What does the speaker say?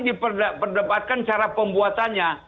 berdebatkan cara pembuatannya